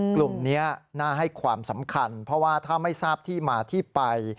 กลุ่มนี้น่าให้ความสำคัญเพราะว่าถ้าไม่ทราบที่มาที่ไป